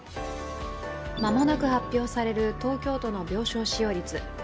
間もなく発表される東京都の病床使用率。